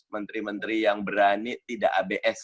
menteri menteri yang berani tidak abs